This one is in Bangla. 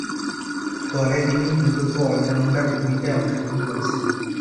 দলে তিনি মূলতঃ অল-রাউন্ডারের ভূমিকায় অংশগ্রহণ করছেন।